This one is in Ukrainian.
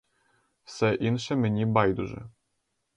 Все інше мені байдуже.